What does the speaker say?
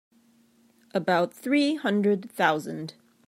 About three hundred thousand.